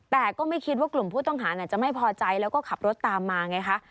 แต่ก็ไม่คิดว่ากลุ่มผู้ต้องหาจะไม่พอใจแล้วก็ขับรถตามมาไงคะ